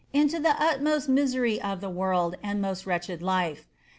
ia» the utmost misery of the world and most wretched life.